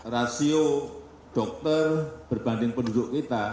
rasio dokter berbanding penduduk kita